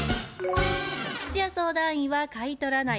吉弥相談員は「買い取らない」